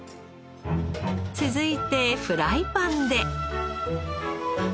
続いてフライパンで。